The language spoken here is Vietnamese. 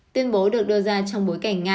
tuyên bố được đưa ra trong bối cảnh nga